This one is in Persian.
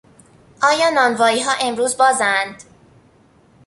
آیا نانواییها امروز بازند؟